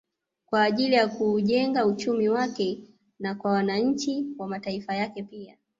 Kwa ajili ya kuujenga uchumi wake na kwa wananchi wa mataifa yake pia